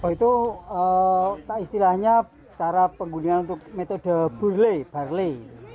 itu istilahnya cara penggunakan untuk metode burlai barlai